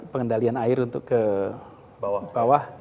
pengendalian air untuk ke bawah